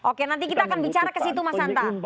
oke nanti kita akan bicara ke situ mas santa